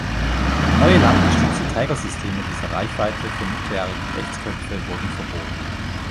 Neue landgestützte Trägersysteme dieser Reichweite für nukleare Gefechtsköpfe wurden verboten.